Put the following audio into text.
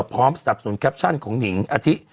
พร้อมสนับสนุนแคปชั่นของหนิงอะฮิ